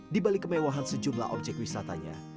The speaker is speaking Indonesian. di balik kemewahan sejumlah objek wisatanya